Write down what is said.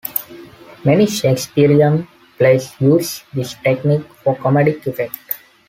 Many Shakespearian plays use this technique for comedic effect.